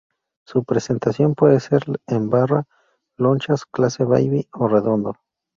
Su presentación puede ser en barra, lonchas, clase baby o redondo.